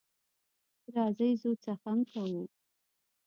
راځئ ځو څخنک کوو.